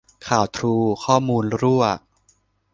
ข่าวทรูข้อมูลรั่ว